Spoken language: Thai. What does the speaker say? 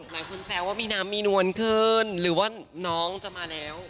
แซวว่ามีน้ำมีนวลขึ้นหรือว่าน้องจะมาแล้ว